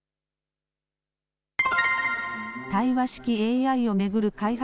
対話式ＡＩを巡る開発